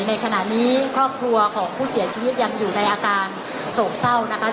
ในขณะนี้ครอบครัวของผู้เสียชีวิตยังอยู่ในอาการโศกเศร้านะคะ